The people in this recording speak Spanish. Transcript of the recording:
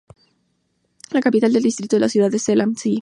La capital del distrito es la ciudad de Zell am See.